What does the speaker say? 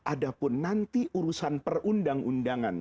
adapun nanti urusan perundang undangan